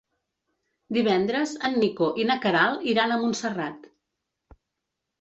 Divendres en Nico i na Queralt iran a Montserrat.